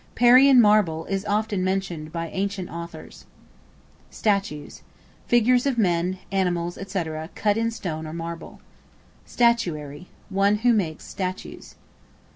Parian marble is often mentioned by ancient authors. Statues, figures of men, animals, &c., cut in stone or marble. Statuary, one who makes statues.